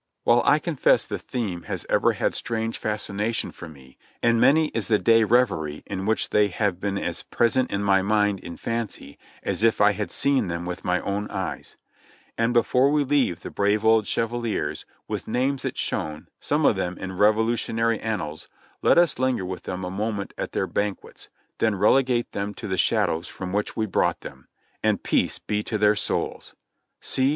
Well, I confess the theme has ever had strange fascination for me, and many is the day reverie in which they have been as present to my mind, in fancy, as if I had seen them with my own eyes; and before we leave the brave old chevaliers, with names that shone, some of them in Revolutionary annals, let us linger with them a moment at their banquets, then relegate them to the shadows from which we brought them — and peace be to their souls. See